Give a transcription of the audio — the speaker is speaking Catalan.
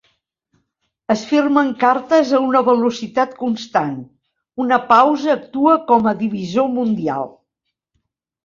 Es firmen cartes a una velocitat constant; una pausa actua com a divisor mundial.